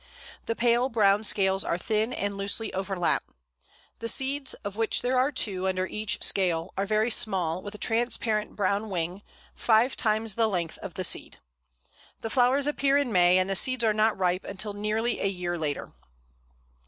The pale brown scales are thin, and loosely overlap. The seeds, of which there are two under each scale, are very small, with a transparent brown wing, five times the length of the seed. The flowers appear in May, and the seeds are not ripe until nearly a year later.